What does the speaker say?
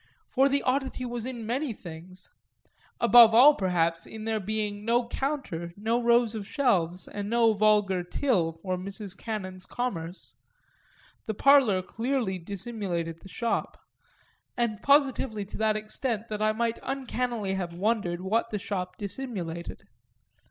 For the oddity was in many things above all perhaps in there being no counter, no rows of shelves and no vulgar till for Mrs. Cannon's commerce; the parlour clearly dissimulated the shop and positively to that extent that I might uncannily have wondered what the shop dissimulated.